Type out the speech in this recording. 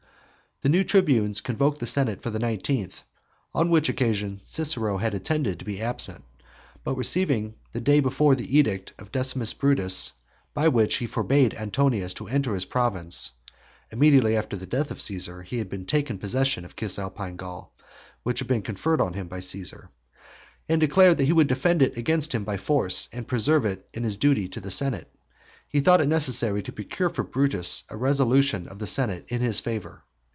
The new tribunes convoked the senate for the nineteenth, on which occasion Cicero had intended to be absent, but receiving the day before the edict of Decimus Brutus, by which he forbade Antonius to enter his province (immediately after the death of Caesar he had taken possession of Cisalpine Gaul, which had been conferred on him by Caesar), and declared that he would defend it against him by force and preserve it in its duty to the senate, he thought it necessary to procure for Brutus a resolution of the senate in his favour.